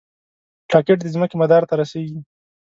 راکټ د ځمکې مدار ته رسېږي